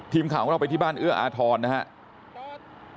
ทีมข่าวของเราไปที่บ้านเอื้ออาทรนะครับ